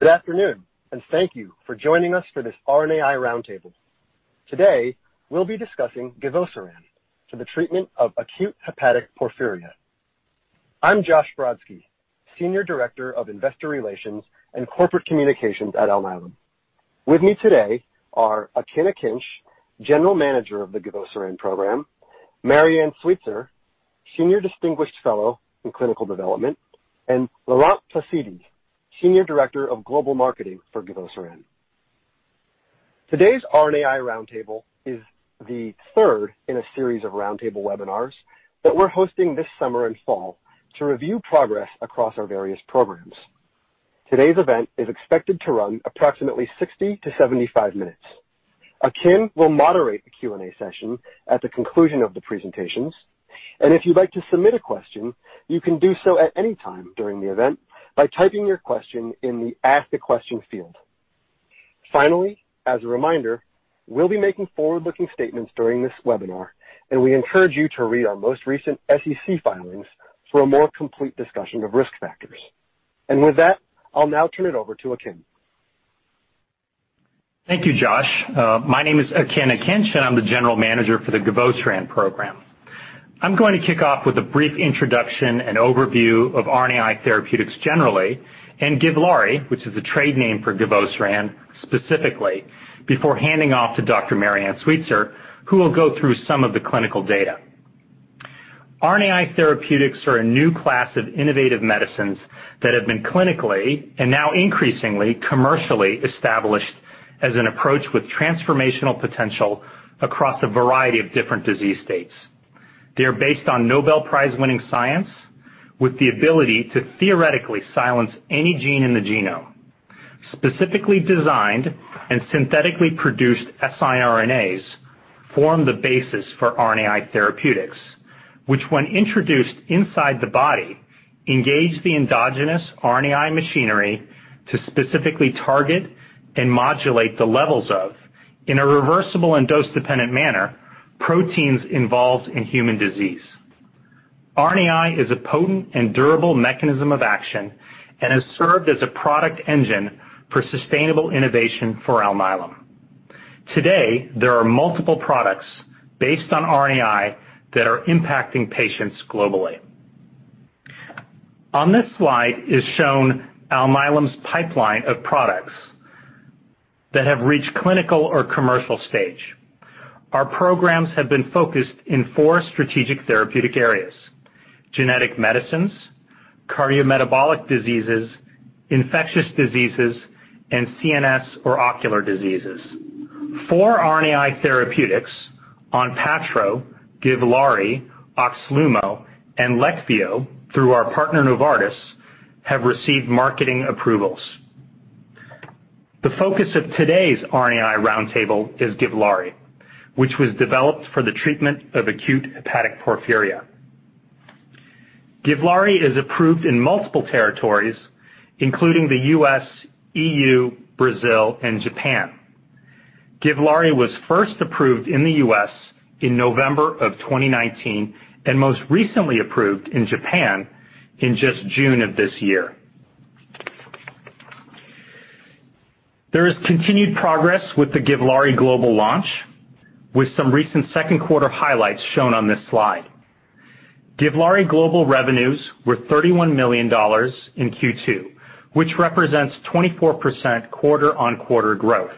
Good afternoon, and thank you for joining us for this RNAi roundtable. Today, we'll be discussing givosiran for the treatment of acute hepatic porphyria. I'm Josh Brodsky, Senior Director of Investor Relations and Corporate Communications at Alnylam. With me today are Akin Akinc, General Manager of the givosiran program, Marianne Sweetser, Senior Distinguished Fellow in Clinical Development, and Laurent Plessier, Senior Director of Global Marketing for givosiran. Today's RNAi roundtable is the third in a series of roundtable webinars that we're hosting this summer and fall to review progress across our various programs. Today's event is expected to run approximately 60 to 75 minutes. Akin will moderate the Q&A session at the conclusion of the presentations, and if you'd like to submit a question, you can do so at any time during the event by typing your question in the Ask a Question field. Finally, as a reminder, we'll be making forward-looking statements during this webinar, and we encourage you to read our most recent SEC filings for a more complete discussion of risk factors. And with that, I'll now turn it over to Akin. Thank you, Josh. My name is Akin Akinc, and I'm the General Manager for the givosiran program. I'm going to kick off with a brief introduction and overview of RNAi Therapeutics generally, and Givlari, which is the trade name for givosiran specifically, before handing off to Dr. Marianne Sweetser, who will go through some of the clinical data. RNAi Therapeutics are a new class of innovative medicines that have been clinically and now increasingly commercially established as an approach with transformational potential across a variety of different disease states. They are based on Nobel Prize-winning science with the ability to theoretically silence any gene in the genome. Specifically designed and synthetically produced siRNAs form the basis for RNAi Therapeutics, which, when introduced inside the body, engage the endogenous RNAi machinery to specifically target and modulate the levels of, in a reversible and dose-dependent manner, proteins involved in human disease. RNAi is a potent and durable mechanism of action and has served as a product engine for sustainable innovation for Alnylam. Today, there are multiple products based on RNAi that are impacting patients globally. On this slide is shown Alnylam's pipeline of products that have reached clinical or commercial stage. Our programs have been focused in four strategic therapeutic areas: genetic medicines, cardiometabolic diseases, infectious diseases, and CNS or ocular diseases. Four RNAi therapeutics Onpattro, Givlari, Oxlumo, and Leqvio, through our partner Novartis, have received marketing approvals. The focus of today's RNAi roundtable is Givlari, which was developed for the treatment of acute hepatic porphyria. Givlari is approved in multiple territories, including the U.S., E.U., Brazil, and Japan. Givlari was first approved in the U.S. in November of 2019 and most recently approved in Japan in just June of this year. There is continued progress with the Givlari global launch, with some recent second quarter highlights shown on this slide. Givlari global revenues were $31 million in Q2, which represents 24% quarter-on-quarter growth.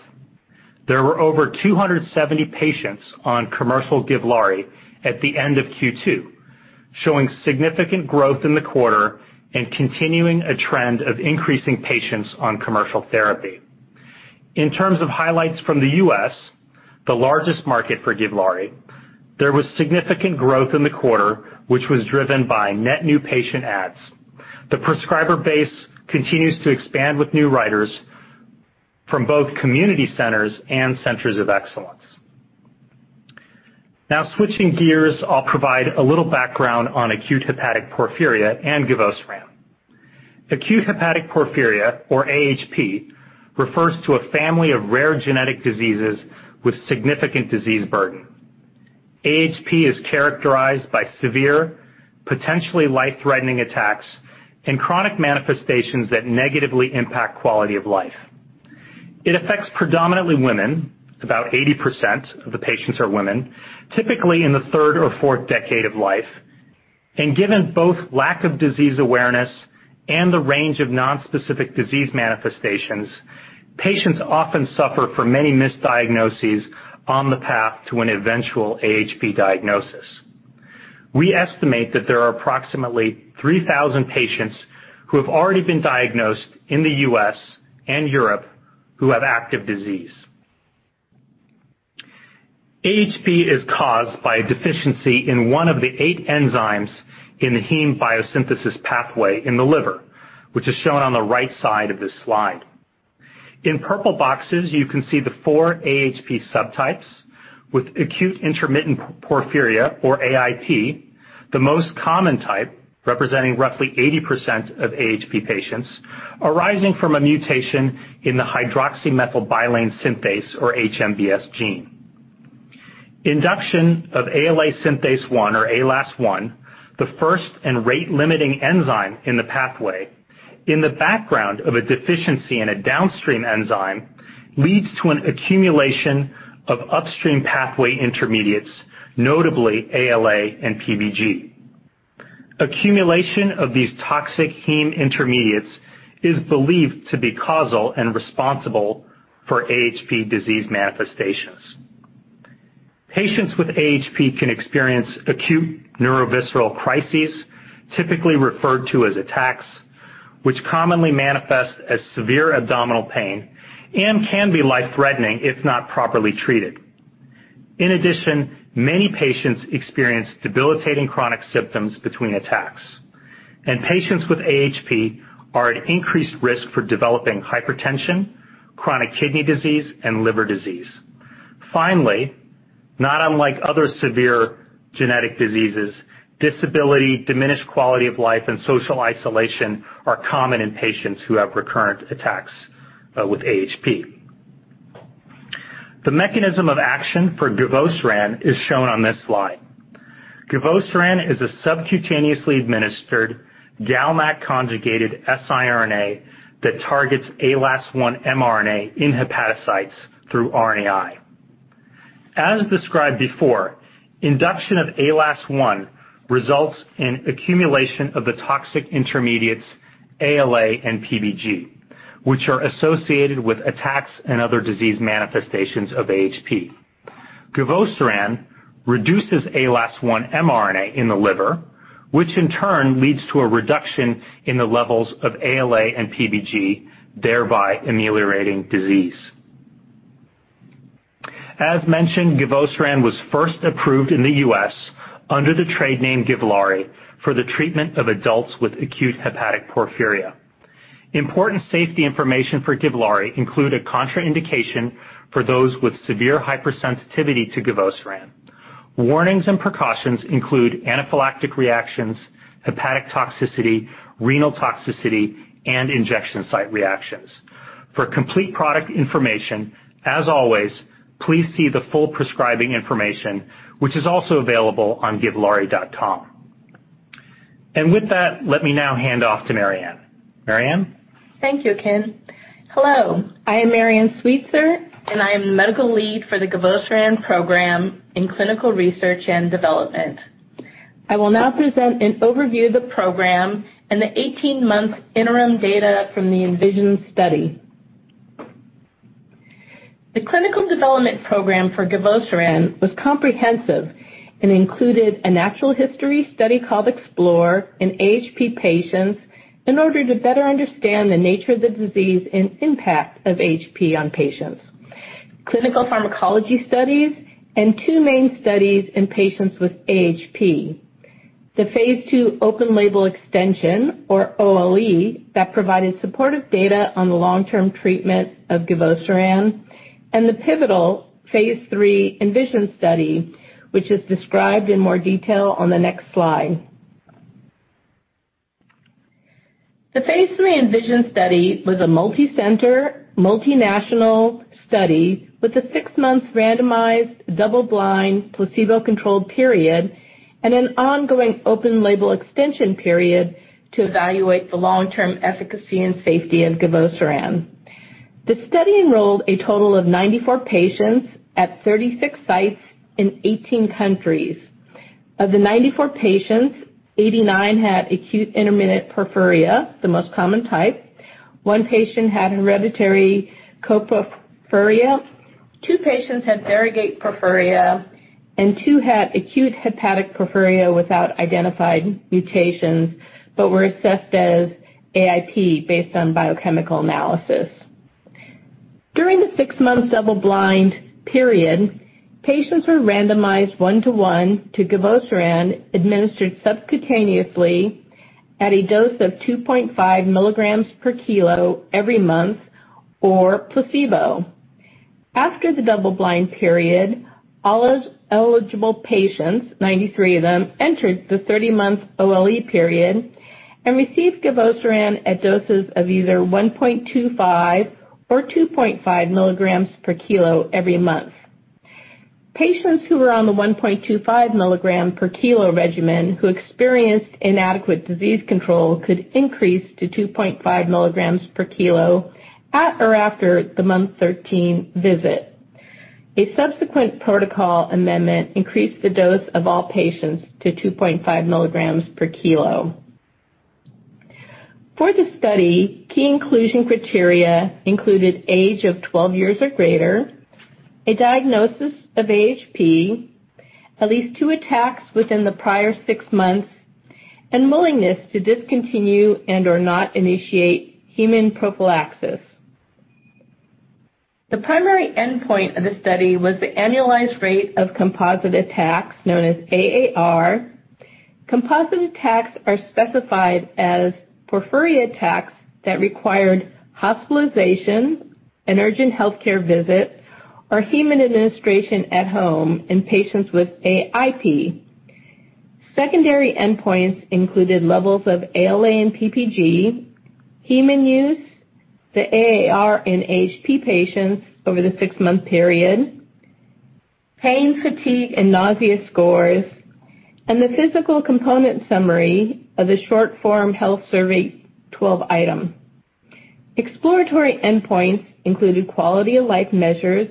There were over 270 patients on commercial Givlari at the end of Q2, showing significant growth in the quarter and continuing a trend of increasing patients on commercial therapy. In terms of highlights from the U.S., the largest market for Givlari, there was significant growth in the quarter, which was driven by net new patient adds. The prescriber base continues to expand with new writers from both community centers and centers of excellence. Now, switching gears, I'll provide a little background on acute hepatic porphyria and givosiran. Acute hepatic porphyria, or AHP, refers to a family of rare genetic diseases with significant disease burden. AHP is characterized by severe, potentially life-threatening attacks and chronic manifestations that negatively impact quality of life. It affects predominantly women. About 80% of the patients are women, typically in the third or fourth decade of life, and given both lack of disease awareness and the range of nonspecific disease manifestations, patients often suffer from many misdiagnoses on the path to an eventual AHP diagnosis. We estimate that there are approximately 3,000 patients who have already been diagnosed in the U.S. and Europe who have active disease. AHP is caused by a deficiency in one of the eight enzymes in the heme biosynthesis pathway in the liver, which is shown on the right side of this slide. In purple boxes, you can see the four AHP subtypes with acute intermittent porphyria, or AIP, the most common type representing roughly 80% of AHP patients, arising from a mutation in the hydroxymethylbilane synthase, or HMBS, gene. Induction of ALA Synthase 1, or ALAS1, the first and rate-limiting enzyme in the pathway, in the background of a deficiency in a downstream enzyme, leads to an accumulation of upstream pathway intermediates, notably ALA and PBG. Accumulation of these toxic heme intermediates is believed to be causal and responsible for AHP disease manifestations. Patients with AHP can experience acute neurovisceral crises, typically referred to as attacks, which commonly manifest as severe abdominal pain and can be life-threatening if not properly treated. In addition, many patients experience debilitating chronic symptoms between attacks, and patients with AHP are at increased risk for developing hypertension, chronic kidney disease, and liver disease. Finally, not unlike other severe genetic diseases, disability, diminished quality of life, and social isolation are common in patients who have recurrent attacks with AHP. The mechanism of action for givosiran is shown on this slide. Givosiran is a subcutaneously administered GalNAc-conjugated siRNA that targets ALAS1 mRNA in hepatocytes through RNAi. As described before, induction of ALAS1 results in accumulation of the toxic intermediates ALA and PBG, which are associated with attacks and other disease manifestations of AHP. Givosiran reduces ALAS1 mRNA in the liver, which in turn leads to a reduction in the levels of ALA and PBG, thereby ameliorating disease. As mentioned, givosiran was first approved in the U.S. under the trade name Givlari for the treatment of adults with acute hepatic porphyria. Important safety information for Givlari includes a contraindication for those with severe hypersensitivity to givosiran. Warnings and precautions include anaphylactic reactions, hepatic toxicity, renal toxicity, and injection site reactions. For complete product information, as always, please see the full prescribing information, which is also available on givlari.com. And with that, let me now hand off to Marianne. Marianne? Thank you, Akin. Hello. I am Marianne Sweetser, and I am the medical lead for the givosiran program in clinical research and development. I will now present an overview of the program and the 18-month interim data from the ENVISION study. The clinical development program for givosiran was comprehensive and included a natural history study called EXPLORE in AHP patients in order to better understand the nature of the disease and impact of AHP on patients, clinical pharmacology studies, and two main studies in patients with AHP, the phase II open-label extension, or OLE, that provided supportive data on the long-term treatment of givosiran, and the pivotal phase III ENVISION study, which is described in more detail on the next slide. The phase 3 ENVISION study was a multicenter, multinational study with a six-month randomized double-blind placebo-controlled period and an ongoing open-label extension period to evaluate the long-term efficacy and safety of givosiran. The study enrolled a total of 94 patients at 36 sites in 18 countries. Of the 94 patients, 89 had acute intermittent porphyria, the most common type. One patient had hereditary coproporphyria. Two patients had variegate porphyria, and two had acute hepatic porphyria without identified mutations but were assessed as AIP based on biochemical analysis. During the six-month double-blind period, patients were randomized one-to-one to givosiran administered subcutaneously at a dose of 2.5 milligrams per kilo every month or placebo. After the double-blind period, all eligible patients, 93 of them, entered the 30-month OLE period and received givosiran at doses of either 1.25 or 2.5 milligrams per kilo every month. Patients who were on the 1.25 milligram per kilo regimen who experienced inadequate disease control could increase to 2.5 milligrams per kilo at or after the month 13 visit. A subsequent protocol amendment increased the dose of all patients to 2.5 milligrams per kilo. For the study, key inclusion criteria included age of 12 years or greater, a diagnosis of AHP, at least two attacks within the prior six months, and willingness to discontinue and/or not initiate heme prophylaxis. The primary endpoint of the study was the annualized rate of composite attacks known as AAR. Composite attacks are specified as porphyria attacks that required hospitalization, an urgent healthcare visit, or heme administration at home in patients with AIP. Secondary endpoints included levels of ALA and PBG, heme use, the AAR in AHP patients over the six-month period, pain, fatigue, and nausea scores, and the Physical Component Summary of the Short Form Health Survey 12-item. Exploratory endpoints included quality-of-life measures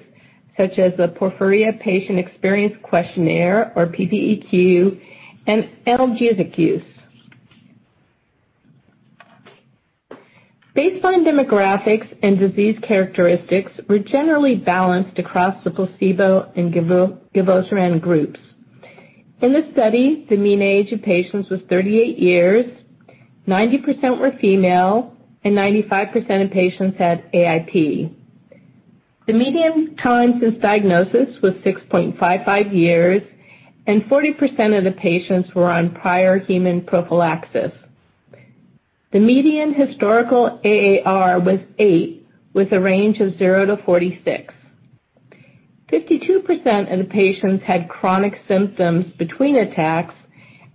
such as the Porphyria Patient Experience Questionnaire, or PPEQ, and analgesic use. Baseline demographics and disease characteristics were generally balanced across the placebo and givosiran groups. In the study, the mean age of patients was 38 years, 90% were female, and 95% of patients had AIP. The median time since diagnosis was 6.55 years, and 40% of the patients were on prior heme prophylaxis. The median historical AAR was 8, with a range of 0 to 46. 52% of the patients had chronic symptoms between attacks,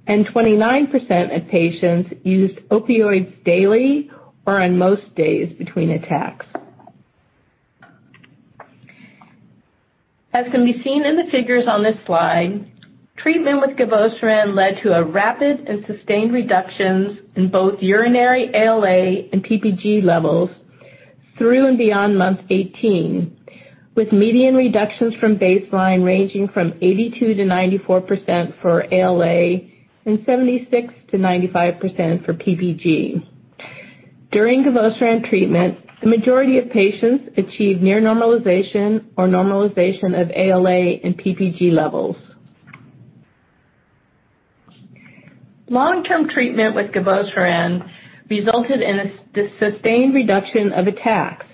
and 29% of patients used opioids daily or on most days between attacks. As can be seen in the figures on this slide, treatment with givosiran led to a rapid and sustained reduction in both urinary ALA and PBG levels through and beyond month 18, with median reductions from baseline ranging from 82% to 94% for ALA and 76% to 95% for PBG. During givosiran treatment, the majority of patients achieved near normalization or normalization of ALA and PBG levels. Long-term treatment with givosiran resulted in a sustained reduction of attacks.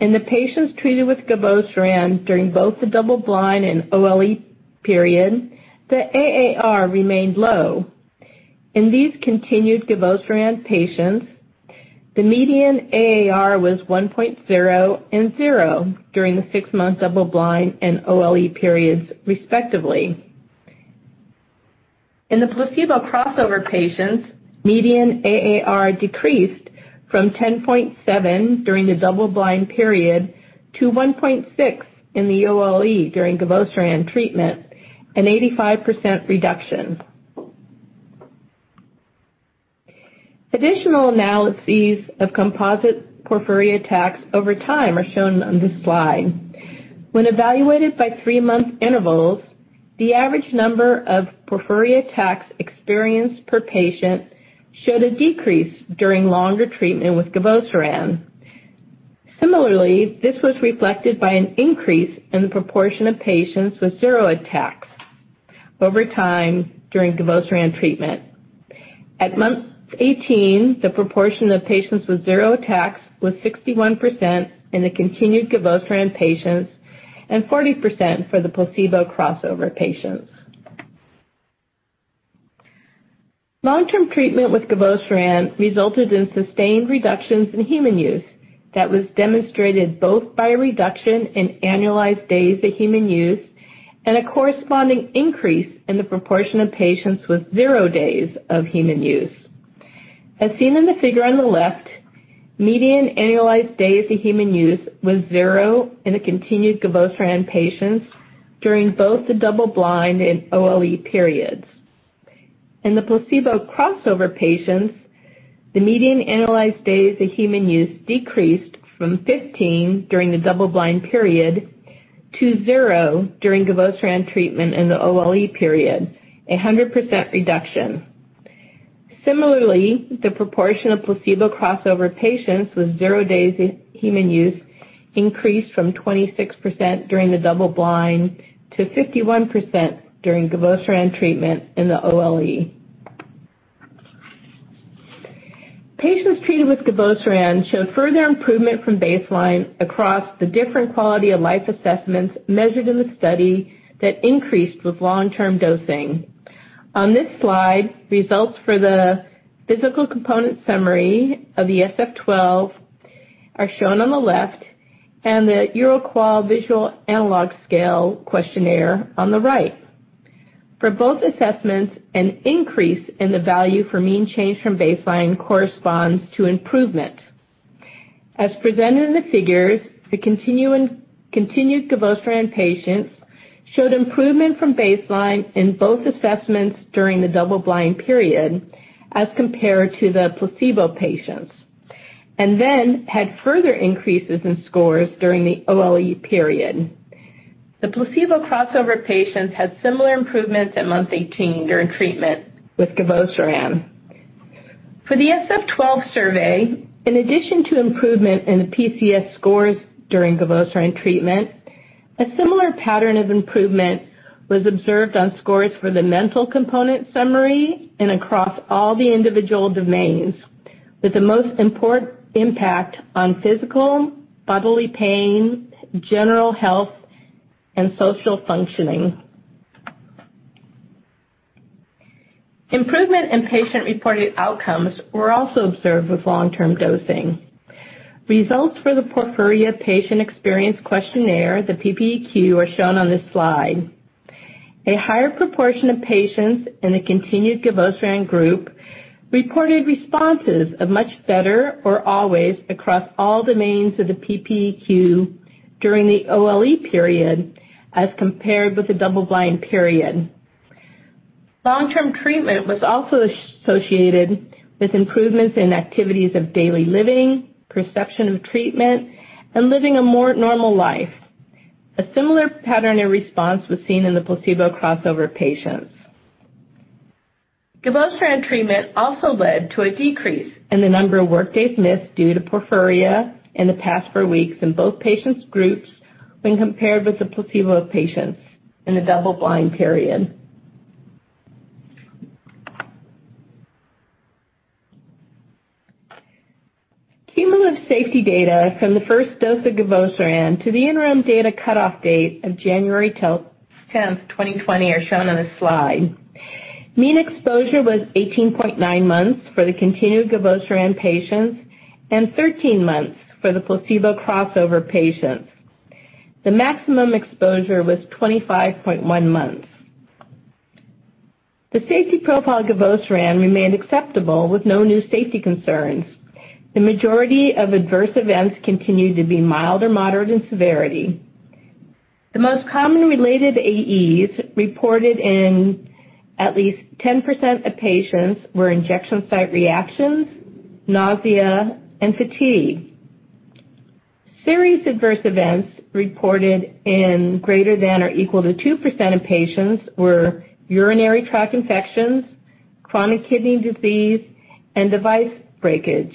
In the patients treated with givosiran during both the double-blind and OLE period, the AAR remained low. In these continued givosiran patients, the median AAR was 1.0 and 0 during the six-month double-blind and OLE periods, respectively. In the placebo crossover patients, median AAR decreased from 10.7 during the double-blind period to 1.6 in the OLE during givosiran treatment, an 85% reduction. Additional analyses of composite porphyria attacks over time are shown on this slide. When evaluated by three-month intervals, the average number of porphyria attacks experienced per patient showed a decrease during longer treatment with givosiran. Similarly, this was reflected by an increase in the proportion of patients with zero attacks over time during givosiran treatment. At month 18, the proportion of patients with zero attacks was 61% in the continued givosiran patients and 40% for the placebo crossover patients. Long-term treatment with givosiran resulted in sustained reductions in heme use that was demonstrated both by a reduction in annualized days of heme use and a corresponding increase in the proportion of patients with zero days of heme use. As seen in the figure on the left, median annualized days of heme use was 0 in the continued givosiran patients during both the double-blind and OLE periods. In the placebo crossover patients, the median annualized days of heme use decreased from 15 during the double-blind period to 0 during givosiran treatment in the OLE period, a 100% reduction. Similarly, the proportion of placebo crossover patients with zero days of heme use increased from 26% during the double-blind to 51% during givosiran treatment in the OLE. Patients treated with givosiran showed further improvement from baseline across the different quality-of-life assessments measured in the study that increased with long-term dosing. On this slide, results for the Physical Component Summary of the SF-12 are shown on the left and the EuroQol Visual Analog Scale questionnaire on the right. For both assessments, an increase in the value for mean change from baseline corresponds to improvement. As presented in the figures, the continued givosiran patients showed improvement from baseline in both assessments during the double-blind period as compared to the placebo patients and then had further increases in scores during the OLE period. The placebo crossover patients had similar improvements at month 18 during treatment with givosiran. For the SF-12 survey, in addition to improvement in the PCS scores during givosiran treatment, a similar pattern of improvement was observed on scores for the Mental Component Summary and across all the individual domains, with the most important impact on physical, bodily pain, general health, and social functioning. Improvement in patient-reported outcomes were also observed with long-term dosing. Results for the porphyria patient experience questionnaire, the PPEQ, are shown on this slide. A higher proportion of patients in the continued givosiran group reported responses of much better or always across all domains of the PPEQ during the OLE period as compared with the double-blind period. Long-term treatment was also associated with improvements in activities of daily living, perception of treatment, and living a more normal life. A similar pattern of response was seen in the placebo crossover patients. Givosiran treatment also led to a decrease in the number of workday missed due to porphyria in the past four weeks in both patients' groups when compared with the placebo patients in the double-blind period. Cumulative safety data from the first dose of givosiran to the interim data cutoff date of January 10, 2020, are shown on this slide. Mean exposure was 18.9 months for the continued givosiran patients and 13 months for the placebo crossover patients. The maximum exposure was 25.1 months. The safety profile of givosiran remained acceptable with no new safety concerns. The majority of adverse events continued to be mild or moderate in severity. The most common related AEs reported in at least 10% of patients were injection site reactions, nausea, and fatigue. Serious adverse events reported in greater than or equal to 2% of patients were urinary tract infections, chronic kidney disease, and device breakage.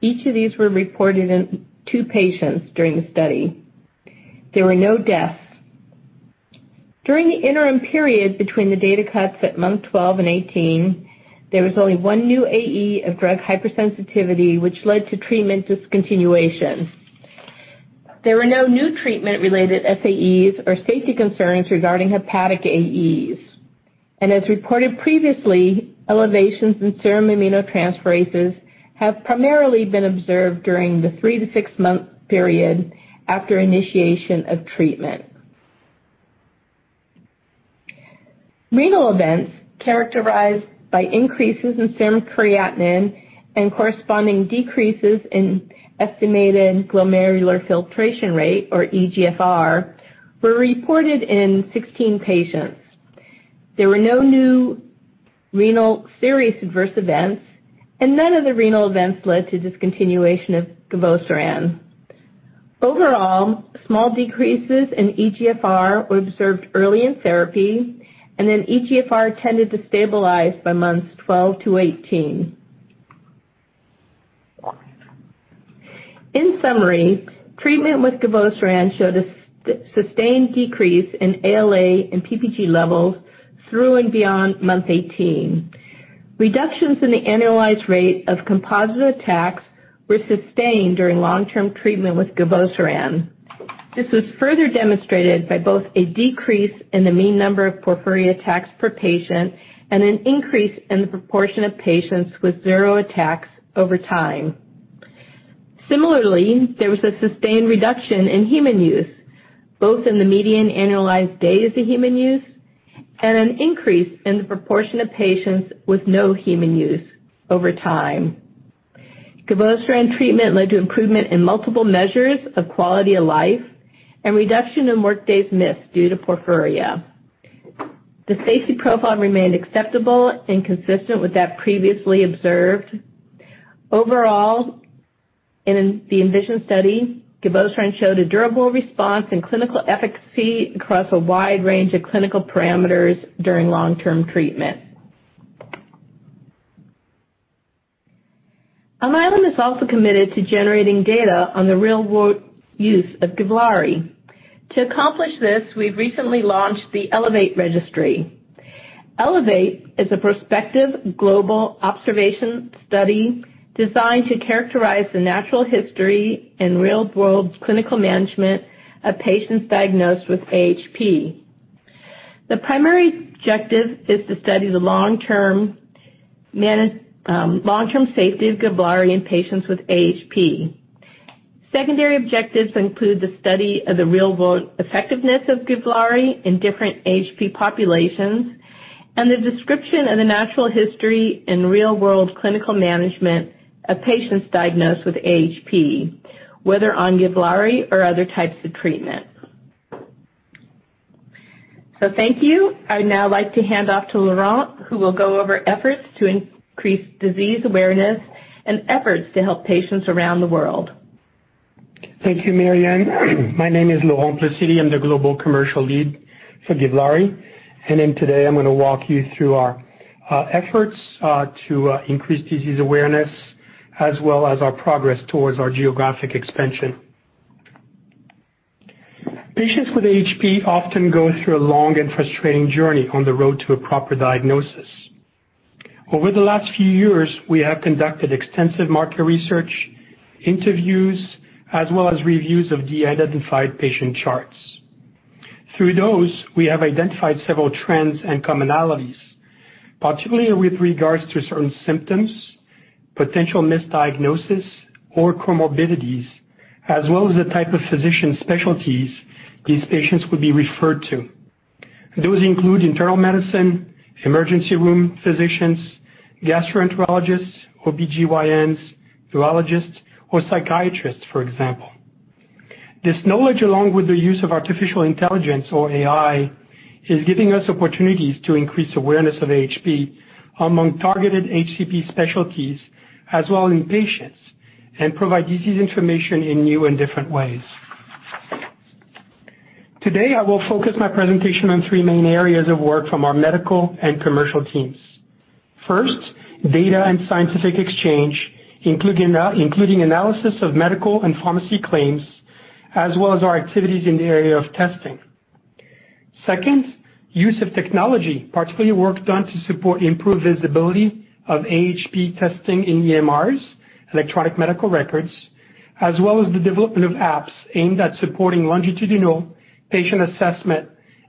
Each of these were reported in two patients during the study. There were no deaths. During the interim period between the data cuts at month 12 and 18, there was only one new AE of drug hypersensitivity, which led to treatment discontinuation. There were no new treatment-related SAEs or safety concerns regarding hepatic AEs, and as reported previously, elevations in serum aminotransferases have primarily been observed during the three- to six-month period after initiation of treatment. Renal events characterized by increases in serum creatinine and corresponding decreases in estimated glomerular filtration rate, or eGFR, were reported in 16 patients. There were no new renal serious adverse events, and none of the renal events led to discontinuation of givosiran. Overall, small decreases in eGFR were observed early in therapy, and then eGFR tended to stabilize by months 12 to 18. In summary, treatment with givosiran showed a sustained decrease in ALA and PBG levels through and beyond month 18. Reductions in the annualized rate of composite attacks were sustained during long-term treatment with givosiran. This was further demonstrated by both a decrease in the mean number of porphyria attacks per patient and an increase in the proportion of patients with zero attacks over time. Similarly, there was a sustained reduction in heme use, both in the median annualized days of heme use and an increase in the proportion of patients with no heme use over time. Givosiran treatment led to improvement in multiple measures of quality of life and reduction in workdays missed due to porphyria. The safety profile remained acceptable and consistent with that previously observed. Overall, in the ENVISION study, givosiran showed a durable response and clinical efficacy across a wide range of clinical parameters during long-term treatment. Alnylam is also committed to generating data on the real-world use of GIVLAARI. To accomplish this, we've recently launched the Elevate registry. Elevate is a prospective global observational study designed to characterize the natural history and real-world clinical management of patients diagnosed with AHP. The primary objective is to study the long-term safety of GIVLAARI in patients with AHP. Secondary objectives include the study of the real-world effectiveness of Givlari in different AHP populations and the description of the natural history and real-world clinical management of patients diagnosed with AHP, whether on Givlari or other types of treatment. So thank you. I'd now like to hand off to Laurent, who will go over efforts to increase disease awareness and efforts to help patients around the world. Thank you, Marianne. My name is Laurent Plessier. I'm the global commercial lead for Givlari. And today, I'm going to walk you through our efforts to increase disease awareness as well as our progress towards our geographic expansion. Patients with AHP often go through a long and frustrating journey on the road to a proper diagnosis. Over the last few years, we have conducted extensive market research, interviews, as well as reviews of de-identified patient charts. Through those, we have identified several trends and commonalities, particularly with regards to certain symptoms, potential misdiagnosis, or comorbidities, as well as the type of physician specialties these patients would be referred to. Those include internal medicine, emergency room physicians, gastroenterologists, OB-GYNs, urologists, or psychiatrists, for example. This knowledge, along with the use of artificial intelligence, or AI, is giving us opportunities to increase awareness of AHP among targeted HCP specialties as well as in patients and provide disease information in new and different ways. Today, I will focus my presentation on three main areas of work from our medical and commercial teams. First, data and scientific exchange, including analysis of medical and pharmacy claims, as well as our activities in the area of testing. Second, use of technology, particularly work done to support improved visibility of AHP testing in EMRs, electronic medical records, as well as the development of apps aimed at supporting longitudinal patient assessment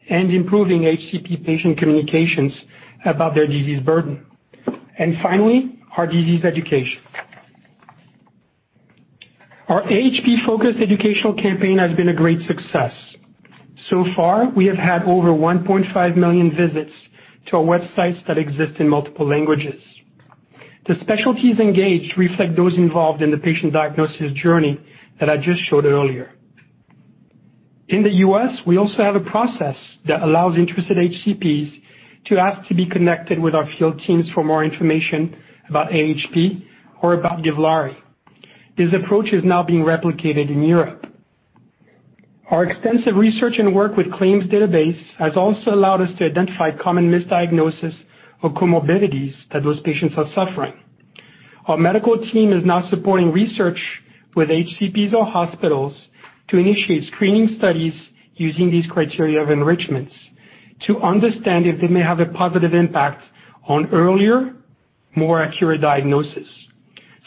and improving HCP patient communications about their disease burden. And finally, our disease education. Our AHP-focused educational campaign has been a great success. So far, we have had over 1.5 million visits to our websites that exist in multiple languages. The specialties engaged reflect those involved in the patient diagnosis journey that I just showed earlier. In the U.S., we also have a process that allows interested HCPs to ask to be connected with our field teams for more information about AHP or about Givlari. This approach is now being replicated in Europe. Our extensive research and work with claims database has also allowed us to identify common misdiagnoses or comorbidities that those patients are suffering. Our medical team is now supporting research with HCPs or hospitals to initiate screening studies using these criteria of enrichments to understand if they may have a positive impact on earlier, more accurate diagnosis.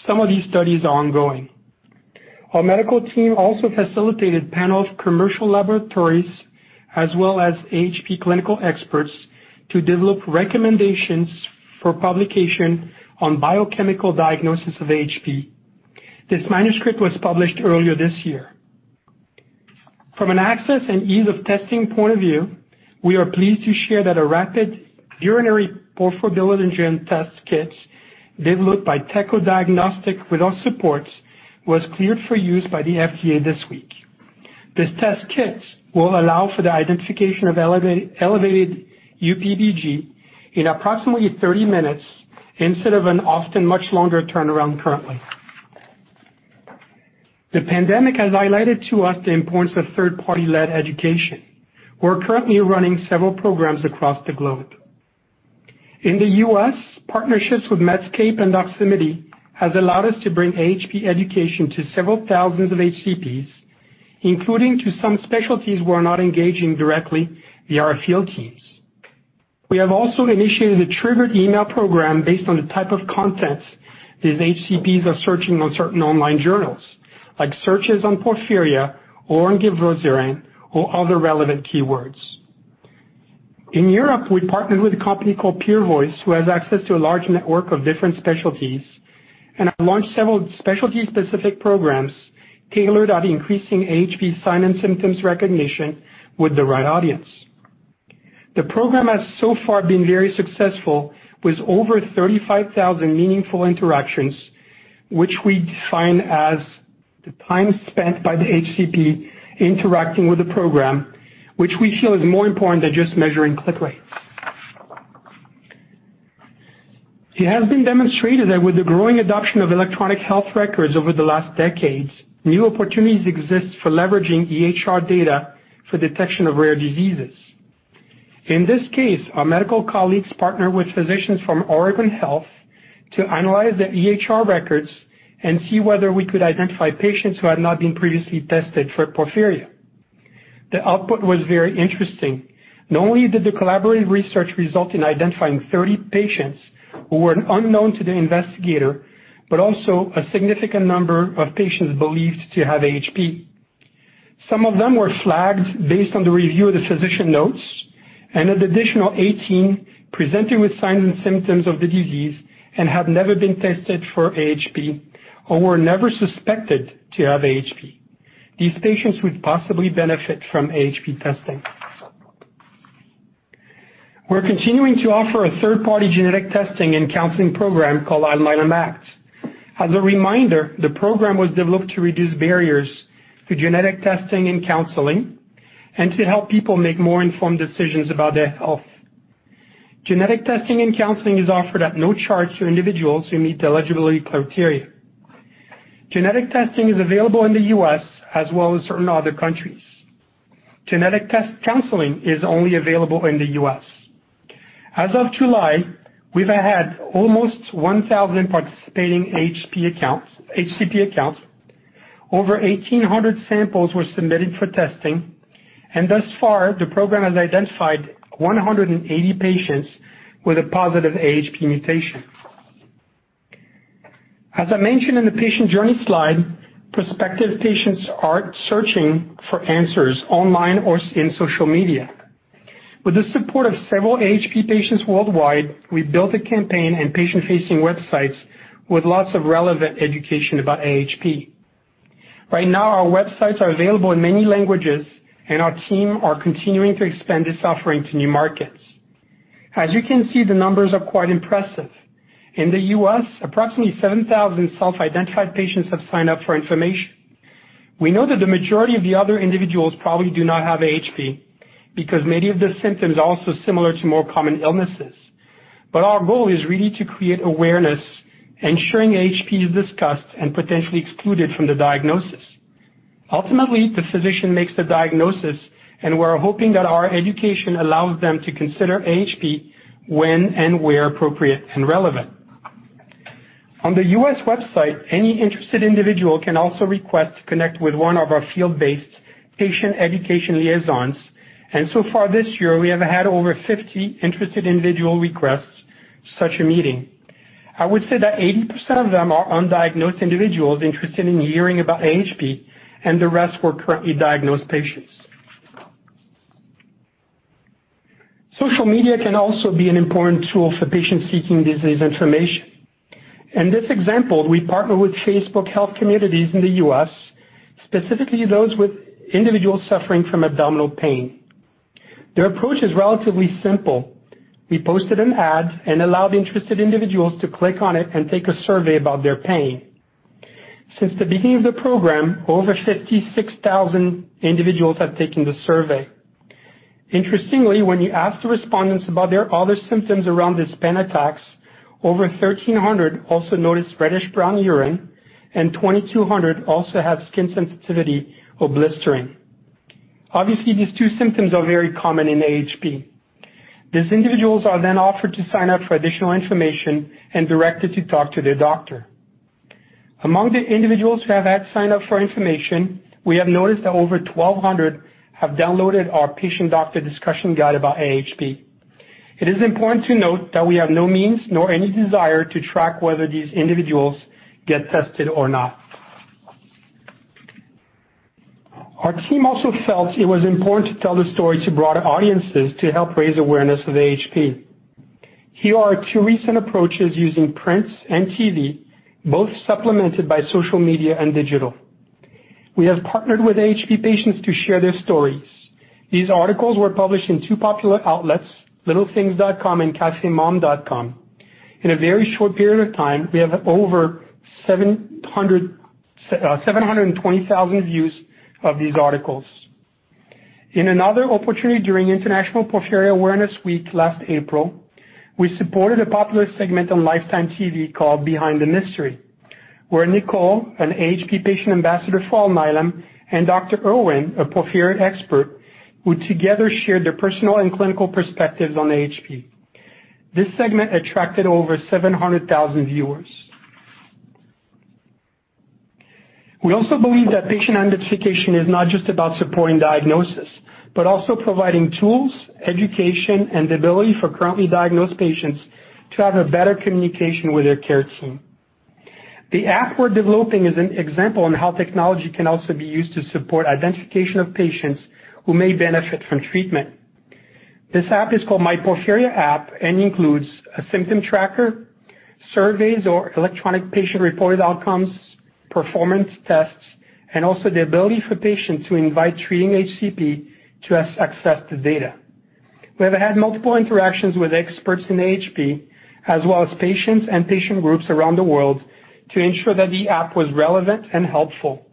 Some of these studies are ongoing. Our medical team also facilitated panels of commercial laboratories as well as AHP clinical experts to develop recommendations for publication on biochemical diagnosis of AHP. This manuscript was published earlier this year. From an access and ease of testing point of view, we are pleased to share that a rapid urinary porphobilinogen test kit developed by Teco Diagnostics with support was cleared for use by the FDA this week. This test kit will allow for the identification of elevated UPBG in approximately 30 minutes instead of an often much longer turnaround currently. The pandemic has highlighted to us the importance of third-party-led education. We're currently running several programs across the globe. In the U.S., partnerships with Medscape and Doximity have allowed us to bring AHP education to several thousands of HCPs, including to some specialties we're not engaging directly via our field teams. We have also initiated a triggered email program based on the type of content these HCPs are searching on certain online journals, like searches on porphyria, or on givosiran, or other relevant keywords. In Europe, we partnered with a company called PeerVoice, who has access to a large network of different specialties, and have launched several specialty-specific programs tailored on increasing AHP signs and symptoms recognition with the right audience. The program has so far been very successful with over 35,000 meaningful interactions, which we define as the time spent by the HCP interacting with the program, which we feel is more important than just measuring click rates. It has been demonstrated that with the growing adoption of electronic health records over the last decades, new opportunities exist for leveraging EHR data for detection of rare diseases. In this case, our medical colleagues partnered with physicians from Oregon Health to analyze their EHR records and see whether we could identify patients who had not been previously tested for porphyria. The output was very interesting. Not only did the collaborative research result in identifying 30 patients who were unknown to the investigator, but also a significant number of patients believed to have AHP. Some of them were flagged based on the review of the physician notes, and an additional 18 presented with signs and symptoms of the disease and had never been tested for AHP or were never suspected to have AHP. These patients would possibly benefit from AHP testing. We're continuing to offer a third-party genetic testing and counseling program called Alnylam Act. As a reminder, the program was developed to reduce barriers to genetic testing and counseling and to help people make more informed decisions about their health. Genetic testing and counseling is offered at no charge to individuals who meet the eligibility criteria. Genetic testing is available in the U.S. as well as certain other countries. Genetic test counseling is only available in the U.S. As of July, we've had almost 1,000 participating HCP accounts. Over 1,800 samples were submitted for testing. And thus far, the program has identified 180 patients with a positive AHP mutation. As I mentioned in the patient journey slide, prospective patients are searching for answers online or in social media. With the support of several AHP patients worldwide, we built a campaign and patient-facing websites with lots of relevant education about AHP. Right now, our websites are available in many languages, and our team is continuing to expand this offering to new markets. As you can see, the numbers are quite impressive. In the U.S., approximately 7,000 self-identified patients have signed up for information. We know that the majority of the other individuals probably do not have AHP because many of the symptoms are also similar to more common illnesses. But our goal is really to create awareness, ensuring AHP is discussed and potentially excluded from the diagnosis. Ultimately, the physician makes the diagnosis, and we're hoping that our education allows them to consider AHP when and where appropriate and relevant. On the U.S. website, any interested individual can also request to connect with one of our field-based patient education liaisons, and so far this year, we have had over 50 interested individual requests to such a meeting. I would say that 80% of them are undiagnosed individuals interested in hearing about AHP, and the rest were currently diagnosed patients. Social media can also be an important tool for patients seeking disease information. In this example, we partnered with Facebook Health Communities in the U.S., specifically those with individuals suffering from abdominal pain. Their approach is relatively simple. We posted an ad and allowed interested individuals to click on it and take a survey about their pain. Since the beginning of the program, over 56,000 individuals have taken the survey. Interestingly, when you ask the respondents about their other symptoms around these pain attacks, over 1,300 also noticed reddish-brown urine, and 2,200 also have skin sensitivity or blistering. Obviously, these two symptoms are very common in AHP. These individuals are then offered to sign up for additional information and directed to talk to their doctor. Among the individuals who have signed up for information, we have noticed that over 1,200 have downloaded our patient-doctor discussion guide about AHP. It is important to note that we have no means nor any desire to track whether these individuals get tested or not. Our team also felt it was important to tell the story to broader audiences to help raise awareness of AHP. Here are two recent approaches using print and TV, both supplemented by social media and digital. We have partnered with AHP patients to share their stories. These articles were published in two popular outlets, LittleThings.com and CafeMom.com. In a very short period of time, we have over 720,000 views of these articles. In another opportunity during International Porphyria Awareness Week last April, we supported a popular segment on Lifetime TV called Behind the Mystery, where Nicole, an AHP patient ambassador for Alnylam, and Dr. Erwin, a porphyria expert, would together share their personal and clinical perspectives on AHP. This segment attracted over 700,000 viewers. We also believe that patient identification is not just about supporting diagnosis, but also providing tools, education, and the ability for currently diagnosed patients to have a better communication with their care team. The app we're developing is an example on how technology can also be used to support identification of patients who may benefit from treatment. This app is called My Porphyria App and includes a symptom tracker, surveys or electronic patient-reported outcomes, performance tests, and also the ability for patients to invite treating HCP to access the data. We have had multiple interactions with experts in AHP, as well as patients and patient groups around the world, to ensure that the app was relevant and helpful.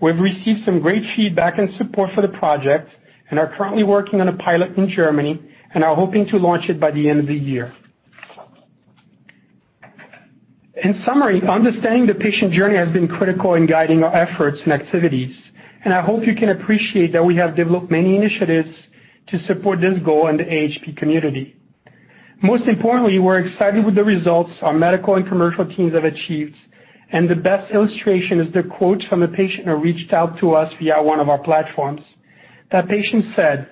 We've received some great feedback and support for the project and are currently working on a pilot in Germany and are hoping to launch it by the end of the year. In summary, understanding the patient journey has been critical in guiding our efforts and activities, and I hope you can appreciate that we have developed many initiatives to support this goal in the AHP community. Most importantly, we're excited with the results our medical and commercial teams have achieved, and the best illustration is the quote from a patient who reached out to us via one of our platforms. That patient said,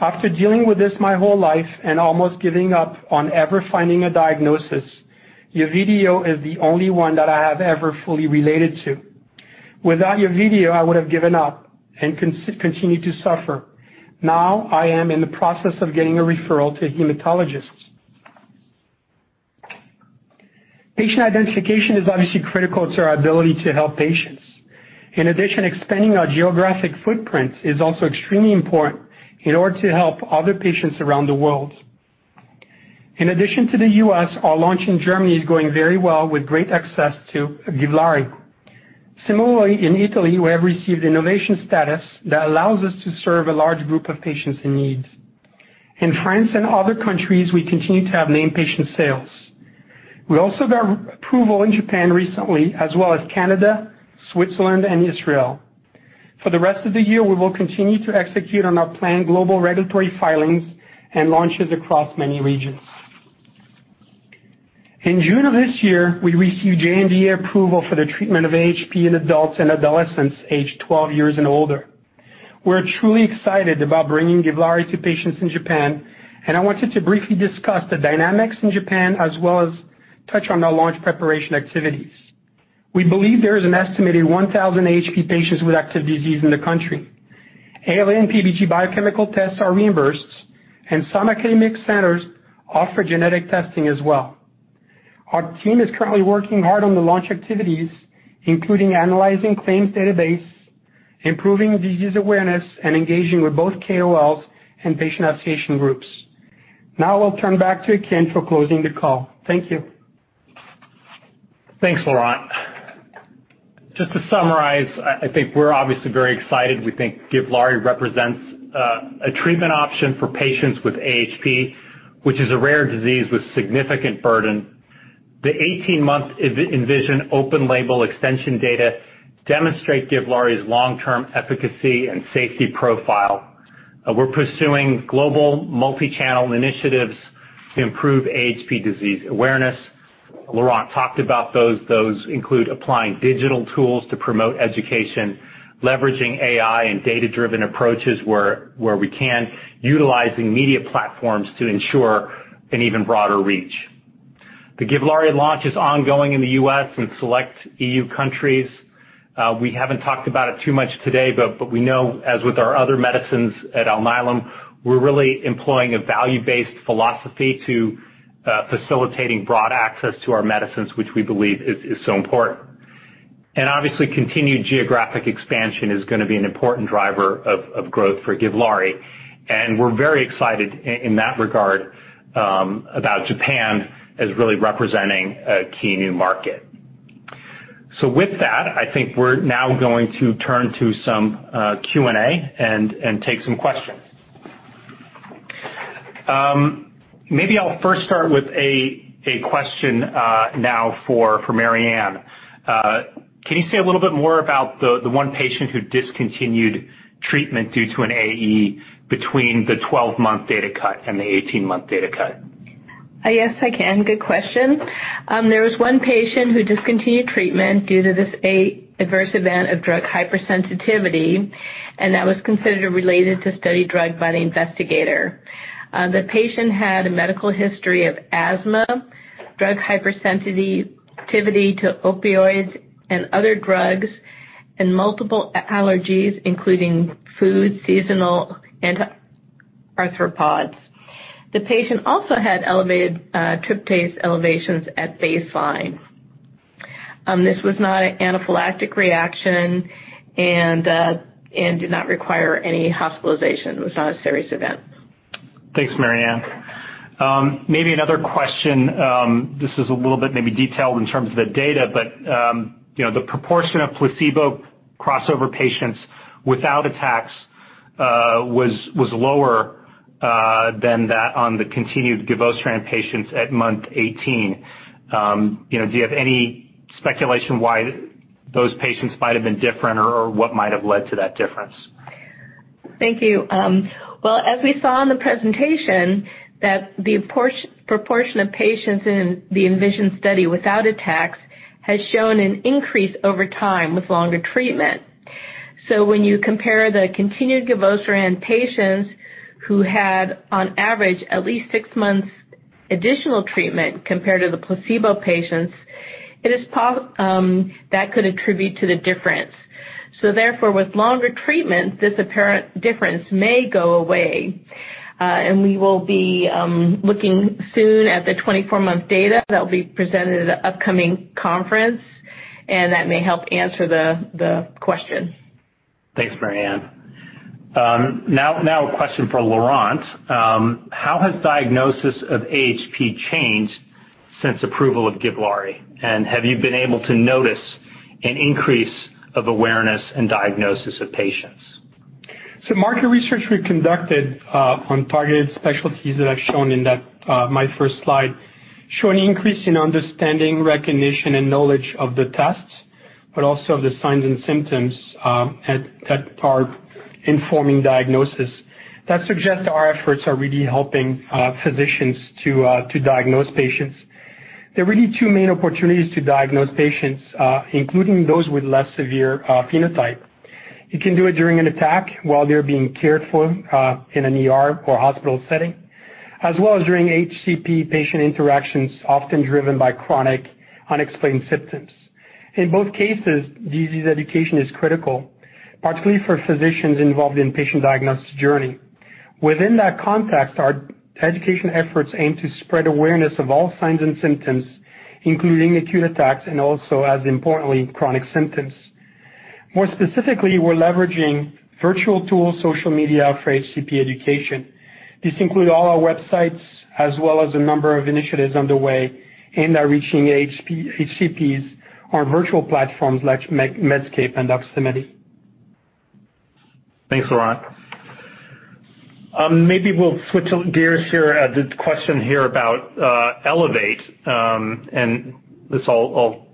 "After dealing with this my whole life and almost giving up on ever finding a diagnosis, your video is the only one that I have ever fully related to. Without your video, I would have given up and continued to suffer. Now I am in the process of getting a referral to a hematologist." Patient identification is obviously critical to our ability to help patients. In addition, expanding our geographic footprint is also extremely important in order to help other patients around the world. In addition to the U.S., our launch in Germany is going very well with great access to Givlari. Similarly, in Italy, we have received innovation status that allows us to serve a large group of patients in need. In France and other countries, we continue to have named patient sales. We also got approval in Japan recently, as well as Canada, Switzerland, and Israel. For the rest of the year, we will continue to execute on our planned global regulatory filings and launches across many regions. In June of this year, we received MHLW approval for the treatment of AHP in adults and adolescents aged 12 years and older. We're truly excited about bringing Givlari to patients in Japan, and I wanted to briefly discuss the dynamics in Japan as well as touch on our launch preparation activities. We believe there is an estimated 1,000 AHP patients with active disease in the country. Urine PBG biochemical tests are reimbursed, and some academic centers offer genetic testing as well. Our team is currently working hard on the launch activities, including analyzing claims database, improving disease awareness, and engaging with both KOLs and patient association groups. Now I'll turn back to Akin for closing the call. Thank you. Thanks, Laurent. Just to summarize, I think we're obviously very excited. We think Givlari represents a treatment option for patients with AHP, which is a rare disease with significant burden. The 18-month ENVISION open-label extension data demonstrate Givlari's long-term efficacy and safety profile. We're pursuing global multi-channel initiatives to improve AHP disease awareness. Laurent talked about those. Those include applying digital tools to promote education, leveraging AI and data-driven approaches where we can, utilizing media platforms to ensure an even broader reach. The Givlari launch is ongoing in the U.S. and select E.U. countries. We haven't talked about it too much today, but we know, as with our other medicines at Alnylam, we're really employing a value-based philosophy to facilitating broad access to our medicines, which we believe is so important, and obviously, continued geographic expansion is going to be an important driver of growth for Givlari. We're very excited in that regard about Japan as really representing a key new market. With that, I think we're now going to turn to some Q&A and take some questions. Maybe I'll first start with a question now for Marianne. Can you say a little bit more about the one patient who discontinued treatment due to an AE between the 12-month data cut and the 18-month data cut? Yes, I can. Good question. There was one patient who discontinued treatment due to this adverse event of drug hypersensitivity, and that was considered related to studied drug by the investigator. The patient had a medical history of asthma, drug hypersensitivity to opioids and other drugs, and multiple allergies, including food, seasonal, and arthropods. The patient also had elevated tryptase elevations at baseline. This was not an anaphylactic reaction and did not require any hospitalization. It was not a serious event. Thanks, Marianne. Maybe another question. This is a little bit maybe detailed in terms of the data, but the proportion of placebo crossover patients without attacks was lower than that on the continued givosiran patients at month 18. Do you have any speculation why those patients might have been different or what might have led to that difference? Thank you. Well, as we saw in the presentation, the proportion of patients in the ENVISION study without attacks has shown an increase over time with longer treatment. So when you compare the continued givosiran patients who had, on average, at least six months' additional treatment compared to the placebo patients, that could attribute to the difference. So therefore, with longer treatment, this apparent difference may go away. And we will be looking soon at the 24-month data that will be presented at the upcoming conference, and that may help answer the question. Thanks, Marianne. Now a question for Laurent. How has diagnosis of AHP changed since approval of Givlari? And have you been able to notice an increase of awareness and diagnosis of patients? Market research we conducted on targeted specialties that I've shown in my first slides show an increase in understanding, recognition, and knowledge of the tests, but also of the signs and symptoms that are informing diagnosis. That suggests our efforts are really helping physicians to diagnose patients. There are really two main opportunities to diagnose patients, including those with less severe phenotype. You can do it during an attack while they're being cared for in an ER or hospital setting, as well as during HCP patient interactions often driven by chronic unexplained symptoms. In both cases, disease education is critical, particularly for physicians involved in the patient diagnosis journey. Within that context, our education efforts aim to spread awareness of all signs and symptoms, including acute attacks and also, as importantly, chronic symptoms. More specifically, we're leveraging virtual tools, social media for HCP education. This includes all our websites, as well as a number of initiatives underway and are reaching HCPs on virtual platforms like Medscape and Doximity. Thanks, Laurent. Maybe we'll switch gears here. The question here about Elevate, and this I'll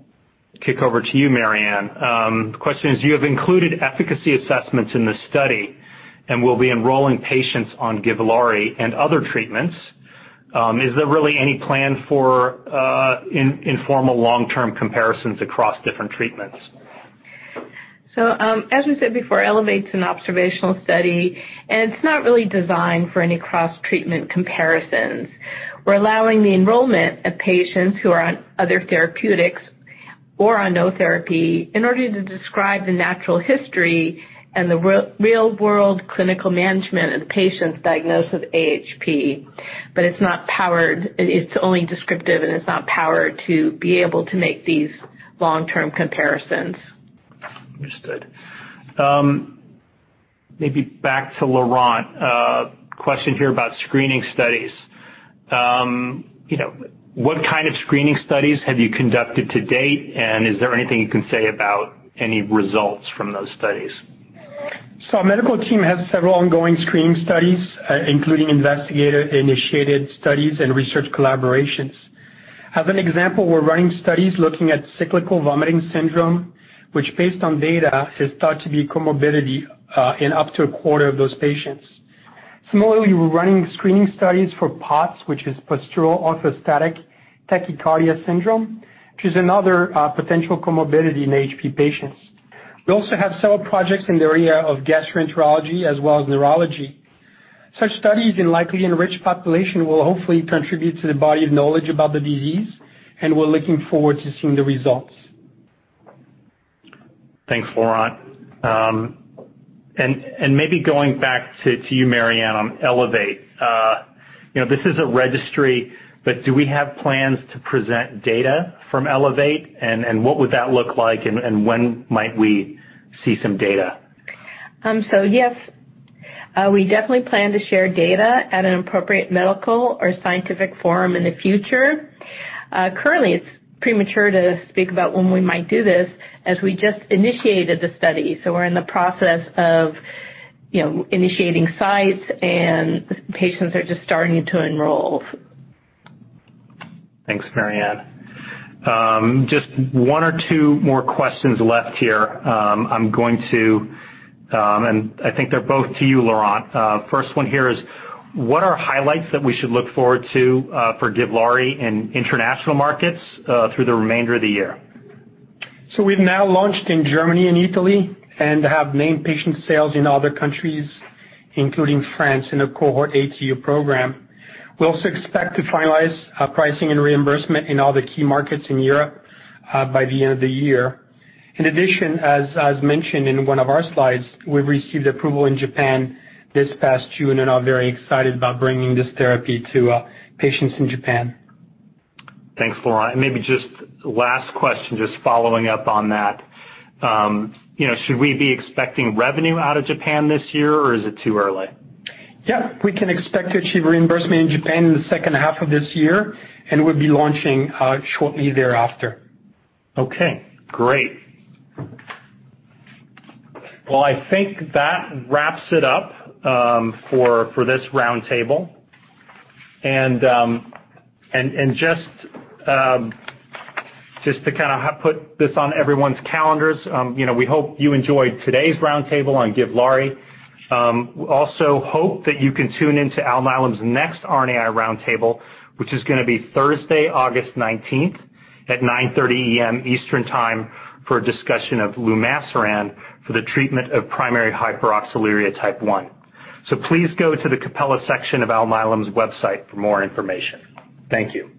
kick over to you, Marianne. The question is, you have included efficacy assessments in the study and will be enrolling patients on Givlari and other treatments. Is there really any plan for informal long-term comparisons across different treatments? So as we said before, Elevate's an observational study, and it's not really designed for any cross-treatment comparisons. We're allowing the enrollment of patients who are on other therapeutics or on no therapy in order to describe the natural history and the real-world clinical management of patients diagnosed with AHP, but it's not powered. It's only descriptive, and it's not powered to be able to make these long-term comparisons. Understood. Maybe back to Laurent. Question here about screening studies. What kind of screening studies have you conducted to date, and is there anything you can say about any results from those studies? Our medical team has several ongoing screening studies, including investigator-initiated studies and research collaborations. As an example, we're running studies looking at cyclic vomiting syndrome, which based on data is thought to be a comorbidity in up to a quarter of those patients. Similarly, we're running screening studies for POTS, which is Postural Orthostatic Tachycardia Syndrome, which is another potential comorbidity in AHP patients. We also have several projects in the area of gastroenterology as well as neurology. Such studies in a likely enriched population will hopefully contribute to the body of knowledge about the disease, and we're looking forward to seeing the results. Thanks, Laurent, and maybe going back to you, Marianne, on Elevate. This is a registry, but do we have plans to present data from Elevate, and what would that look like, and when might we see some data? Yes, we definitely plan to share data at an appropriate medical or scientific forum in the future. Currently, it's premature to speak about when we might do this as we just initiated the study. We are in the process of initiating sites, and patients are just starting to enroll. Thanks, Marianne. Just one or two more questions left here. I'm going to, and I think they're both to you, Laurent. First one here is, what are highlights that we should look forward to for Givlari in international markets through the remainder of the year? We've now launched in Germany and Italy and have named patient sales in other countries, including France, in a cohort ATU program. We also expect to finalize pricing and reimbursement in all the key markets in Europe by the end of the year. In addition, as mentioned in one of our slides, we've received approval in Japan this past June, and we're very excited about bringing this therapy to patients in Japan. Thanks, Laurent. And maybe just last question, just following up on that. Should we be expecting revenue out of Japan this year, or is it too early? Yep, we can expect to achieve reimbursement in Japan in the second half of this year, and we'll be launching shortly thereafter. Okay. Great. Well, I think that wraps it up for this roundtable. And just to kind of put this on everyone's calendars, we hope you enjoyed today's roundtable on Givlari. We also hope that you can tune into Alnylam's next RNAi roundtable, which is going to be Thursday, August 19th at 9:30 A.M. Eastern Time for a discussion of lumasiran for the treatment of primary hyperoxaluria type 1. So please go to the Capella section of Alnylam's website for more information. Thank you.